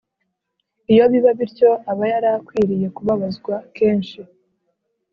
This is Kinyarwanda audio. iyo biba bityo, aba yarakwiriye kubabazwa kenshi,